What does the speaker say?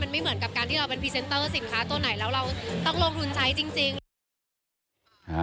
ไม่เหมือนกับเอาสินค้าประกาศการปลอดภัยตัวไหน